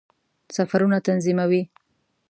سفرونه تنظیموي.